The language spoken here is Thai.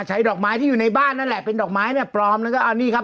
ดอกไม้ที่อยู่ในบ้านนั่นแหละเป็นดอกไม้แบบปลอมแล้วก็เอานี่ครับ